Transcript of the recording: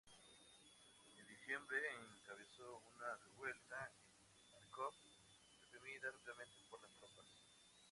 En diciembre, encabezó una revuelta en Járkov, reprimida rápidamente por las tropas.